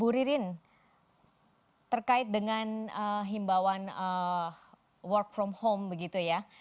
bu ririn terkait dengan himbauan work from home begitu ya